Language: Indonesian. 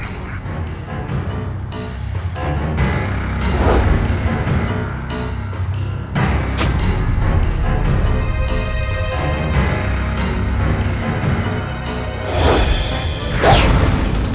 aku harus melakukan sesuatu untuk meyakinkanmu